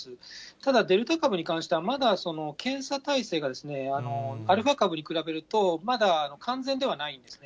ただ、デルタ株に関しては、まだ検査体制が、アルファ株に比べると、まだ完全ではないんですね。